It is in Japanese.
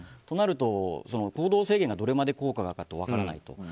となると、行動制限がどこまで効果があるか分からないと。